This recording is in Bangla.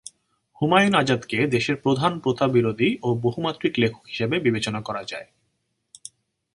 হুমায়ুন আজাদকে দেশের প্রধান প্রথাবিরোধী ও বহুমাত্রিক লেখক হিসেবে বিবেচনা করা যায়।